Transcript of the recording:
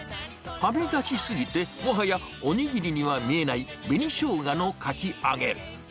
はみ出し過ぎて、もはやおにぎりには見えない紅しょうがのかきあげ。